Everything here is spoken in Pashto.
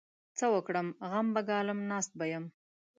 څه وکړم؟! غم به ګالم؛ ناست به يم.